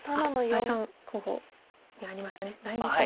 第２候補にありましたか。